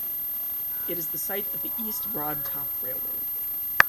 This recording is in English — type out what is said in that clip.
It is the site of the East Broad Top Railroad.